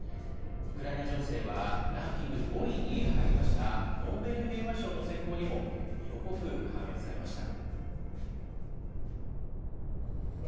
ウクライナ情勢はランキング５位に入りましたノーベル平和賞の選考にも色濃く反映されました。